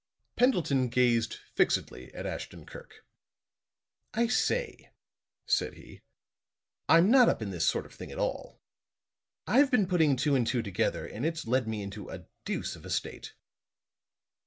Pendleton gazed fixedly at Ashton Kirk. "I say," said he, "I'm not up in this sort of thing at all. I've been putting two and two together, and it's led me into a deuce of a state."